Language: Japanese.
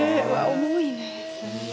重いね。